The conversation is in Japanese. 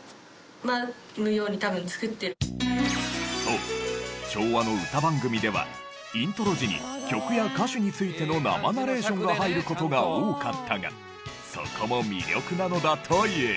そう昭和の歌番組ではイントロ時に曲や歌手についての生ナレーションが入る事が多かったがそこも魅力なのだという。